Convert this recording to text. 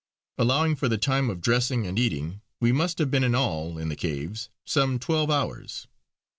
Allowing for the time of dressing and eating, we must have been in all in the caves some twelve hours.